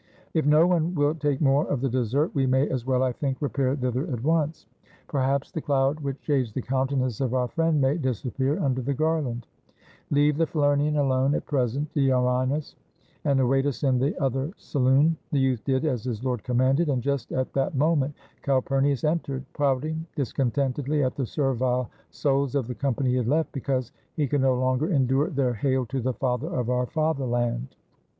If no one will take more of the dessert, we may as well, I think, repair thither at once. Perhaps the cloud which shades the countenance of our friend may disappear under the garland. Leave the Falernian alone at present, Earinos, and await us in the other saloon." The youth did as his lord commanded, and just at that moment Calpurnius entered, pouting discontentedly at the servile souls of the company he had left, because he could no longer endure their '' Hail to the father of our fatherland!"